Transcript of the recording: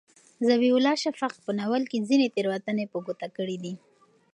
ذبیح الله شفق په ناول کې ځینې تېروتنې په ګوته کړي دي.